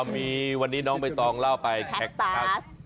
มีวันนี้น้องไม่ต้องเล่าไปแคคตัส